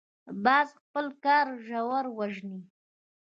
باز خپل ښکار ژر وژني